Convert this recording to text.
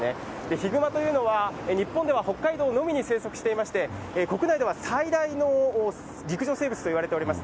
ヒグマというのは、日本では北海道のみに生息していまして、国内では最大の陸上生物といわれております。